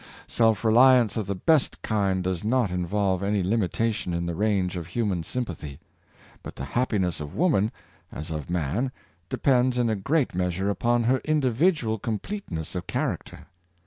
Self reliance of the best kind does not involve any limitation in the range of human sympathy. But the happiness of woman, as of man, depends in a gr^at measure upon her individual completeness of character.